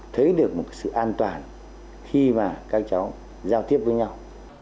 thấy được một sự an toàn khi mà các cháu giao tiếp với nhau